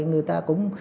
người ta cũng